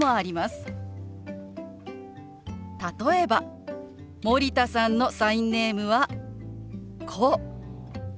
例えば森田さんのサインネームはこう。